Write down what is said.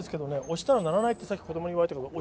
押したら鳴らないってさっき子供に言われたけど。